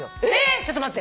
ちょっと待って。